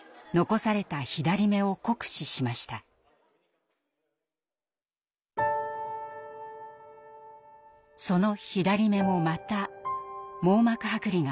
その左目もまた網膜剥離が襲います。